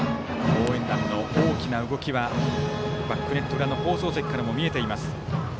応援団の大きな動きはバックネット裏の放送席からも見えています。